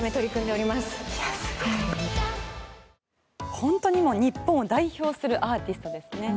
本当にもう日本を代表するアーティストです。